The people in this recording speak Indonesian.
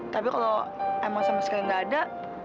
tapi kalau emang sama sekali nggak ada